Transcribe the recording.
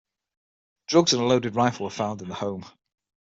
Drugs and a loaded rifle were found in the home.